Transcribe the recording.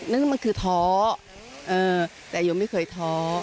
นั่นมันคือท้อแต่โยมไม่เคยท้อ